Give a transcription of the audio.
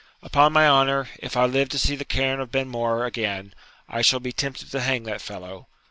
Upon my honour, if I live to see the cairn of Benmore again, I shall be tempted to hang that fellow!